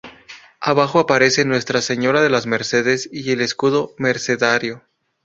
Abajo aparece Nuestra Señora de las Mercedes y el escudo mercedario.